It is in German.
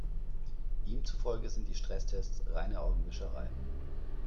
Ihm zufolge sind die Stresstests reine Augenwischerei.